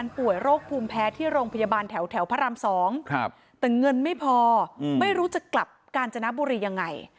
แพ้ที่โรงพยาบาลแถวแถวพระราม๒แต่เงินไม่พอไม่รู้จะกลับกาญจนบุรียังไง